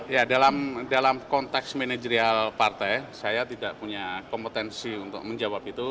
ya dalam konteks manajerial partai saya tidak punya kompetensi untuk menjawab itu